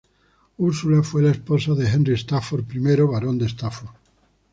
Ursula fue la esposa de Henry Stafford, I Barón Stafford.